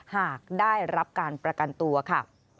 หากได้รับการประกันตัวค่ะ